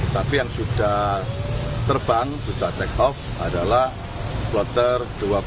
tapi yang sudah terbang sudah take off adalah kloter dua puluh